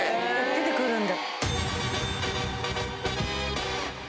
出てくるんだ。